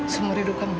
semua hidup kamu